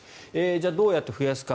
じゃあどうやって増やすか。